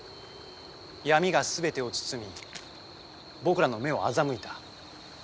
闇が全てを包み僕らの目を欺いた。